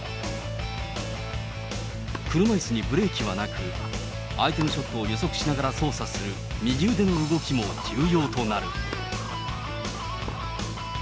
車いすにブレーキはなく、相手のショットを予測しながら操作する右腕の動きも重要となる。